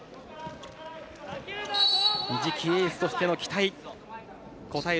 次期エースとしての期待応える